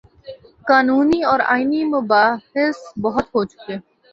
قانونی اور آئینی مباحث بہت ہو چکے۔